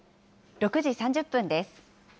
６時３０分です。